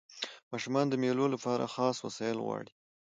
ماشومان د مېلو له پاره خاص وسایل غواړي.